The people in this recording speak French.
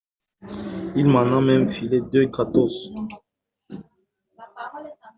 Il m’en a même filé deux gratos.